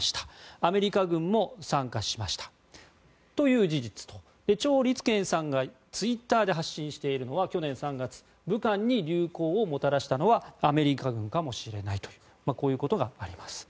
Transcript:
アメリカ軍も参加しましたという事実とチョウ・リツケンさんがツイッターで発信しているのは去年３月武漢に流行をもたらしたのはアメリカ軍かもしれないというこういうことがあります。